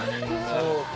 そうか。